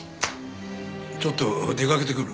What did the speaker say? ちょっと出かけてくる。